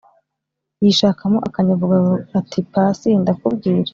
yishakamo akanyabugabo ati"pasi ndakubwira